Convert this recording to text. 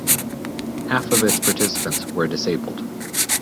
Half of its participants were disabled.